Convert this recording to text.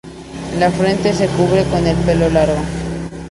La frente se cubre con el pelo largo.